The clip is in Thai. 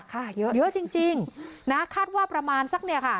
ค่ะเยอะเยอะจริงจริงนะคาดว่าประมาณสักเนี่ยค่ะ